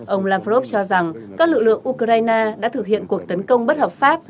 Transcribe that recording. ông lavrov cho rằng các lực lượng ukraine đã thực hiện cuộc tấn công bất hợp pháp